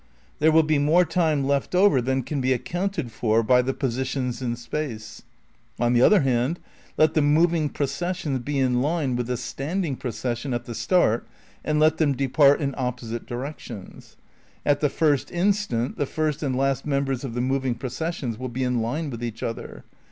There will be more time left over than can be accounted for by the posi tions in space. On the other hand, let the moving pro cessions be in line vsdth the standing procession at the start and let them depart in opposite directions. At the first instant the first and last members of the mov ing processions mil be in line with each other.